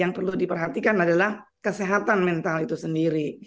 yang perlu diperhatikan adalah kesehatan mental itu sendiri